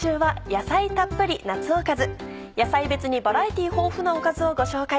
野菜別にバラエティー豊富なおかずをご紹介。